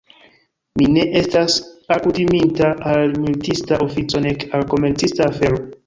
Mi ne estas alkutiminta al militista ofico nek al komercista afero.